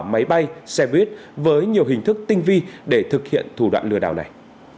máy bay xe buýt với nhiều hình thức tinh vi để thực hiện thủ đoạn lừa đảo này